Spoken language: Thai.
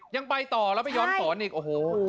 ยังไปต่อแล้วไปย้อนสอนอีกโอ้โห